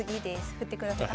振ってください。